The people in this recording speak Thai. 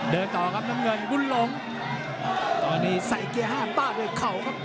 ต่อครับน้ำเงินบุญหลงตอนนี้ใส่เกียร์ห้าป้าด้วยเข่าครับ